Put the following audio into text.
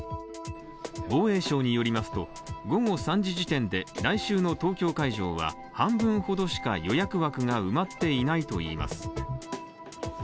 防衛省によりますと午後３時時点で来週の東京会場は半分ほどしか予約枠が埋まっていないといいます。